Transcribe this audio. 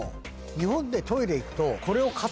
日本でトイレ行くと。